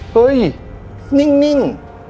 เฮ้ยนิ่งนิ่ง